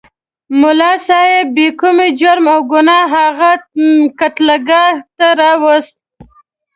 ملا صاحب بې کوم جرم او ګناه هغه قتلګاه ته راوست.